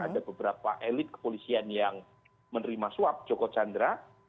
ada beberapa elit kepolisian yang menerima suap joko chandra